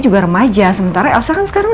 juga remaja sementara elsa kan sekarang